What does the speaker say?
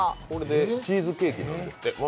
これでチーズケーキなんですって。